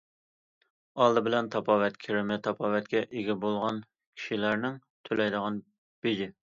ئالدى بىلەن تاپاۋەت كىرىمى تاپاۋەتكە ئىگە بولغان كىشىلەرنىڭ تۆلەيدىغان بېجى.